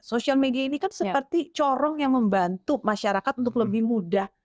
social media ini kan seperti corong yang membantu masyarakat untuk lebih mudah